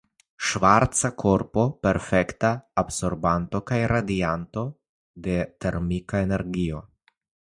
Ŝvarca Korpo: Perfekta absorbanto kaj radianto de termika energio.